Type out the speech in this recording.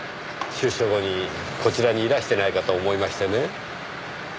出所後にこちらにいらしてないかと思いましてね。